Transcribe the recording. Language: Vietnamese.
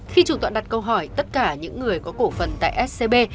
khi chủ tọa đặt câu hỏi tất cả những người có cổ phần tại scb